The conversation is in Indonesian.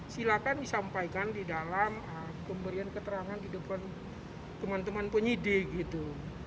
silakan disampaikan di dalam pemberian keterangan di depan teman teman penyidik gitu